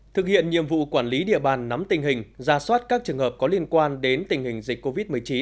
thực hiện nhiệm vụ quản lý địa bàn nắm tình hình ra soát các trường hợp có liên quan đến tình hình dịch covid một mươi chín